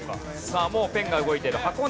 さあもうペンが動いている。